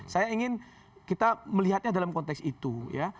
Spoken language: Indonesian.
saya ingin kita melihatnya dalam konteks itu ya